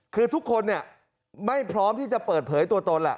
คือทุกคนไม่พร้อมที่จะเปิดเผยตัวตนแหละ